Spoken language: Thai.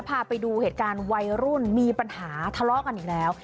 พาไปดูเหตุการณ์วัยรุ่นมีปัญหาทะเลาะกันอีกแล้ว